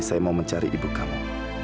saya mau mencari ibu kamu